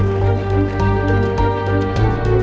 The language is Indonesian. saya tidak direpotkan